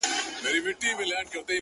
ما پر اوو دنياوو وسپارئ خبر نه وم خو